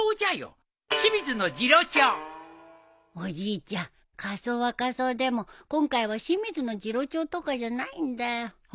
おじいちゃん仮装は仮装でも今回は清水次郎長とかじゃないんだよ。